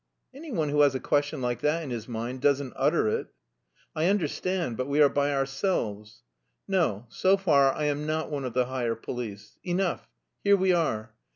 "Anyone who has a question like that in his mind doesn't utter it." "I understand, but we are by ourselves." "No, so far I am not one of the higher police. Enough, here we are.